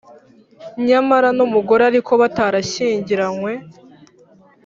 Nyamara N umugore ariko batarashyingiranwe